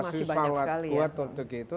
tapi sangat kuat untuk itu